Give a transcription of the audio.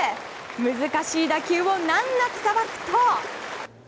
難しい打球を難なくさばくと。